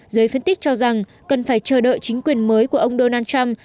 giới phân tích cho rằng cần phải chờ đợi chính quyền mới của ông donald trump